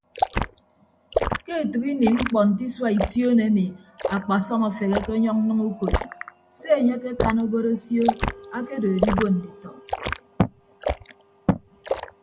Ke etәk ini mkpọ nte isua ition emi akpasọm afeheke ọnyọñ nnʌñ ukod se enye akekan obod osio akedo edibon nditọ.